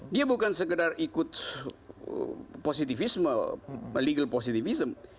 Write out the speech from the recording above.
dia bukan sekedar ikut positifisme legal positivism